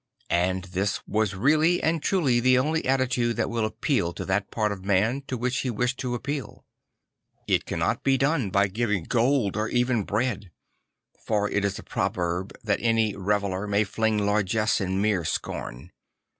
And this was real]y and truly the only attitude that will appeal to that part of man to which he wished to appeal. It cannot be done by giving gold or even bread; for it is a proverb that any reveller may fling largesse in mere scorn.